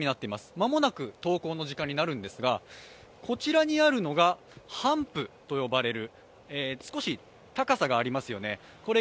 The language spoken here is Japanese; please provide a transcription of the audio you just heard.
間もなく登校の時間になるんですが、こちらにあるのがハンプと呼ばれる少し高さがありますよね。